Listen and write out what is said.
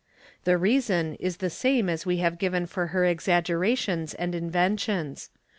The reason is the same as "we have given for her exaggerations and inventions.